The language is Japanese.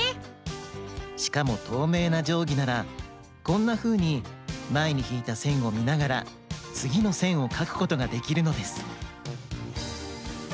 しかもとうめいなじょうぎならこんなふうにまえにひいたせんをみながらつぎのせんをかくことができるのです。